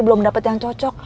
belum dapet pak